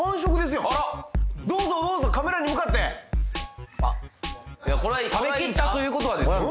あらどうぞカメラに向かって食べきったということはですよ